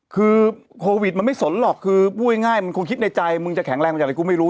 คือโควิดมันไม่สนหรอกคือพูดง่ายมันคงคิดในใจมึงจะแข็งแรงมาจากอะไรกูไม่รู้